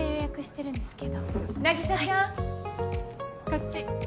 こっち。